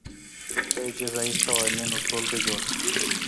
د جزايي قوانینو ټولګه جوړه شوه.